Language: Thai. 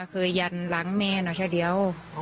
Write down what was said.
อ๋อเคยหยั่นหลังแม่พ่อเนี่ย